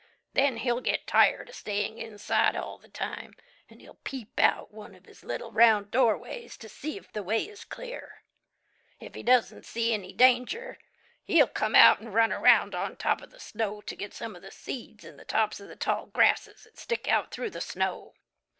Then he'll get tired of staying inside all the time, and he'll peep out of one of his little round doorways to see if the way is clear. If he doesn't see any danger, he'll come out and run around on top of the snow to get some of the seeds in the tops of the tall grasses that stick out through the snow.